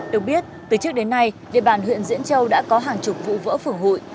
được biết từ trước đến nay địa bàn huyện diễn châu đã có hàng chục vụ vỡ phưởng hụi